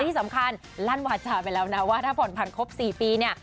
ที่สำคัญลั่นวาจาไปแล้วนะว่าถ้าผ่อนผันครบ๔ปีเนี่ย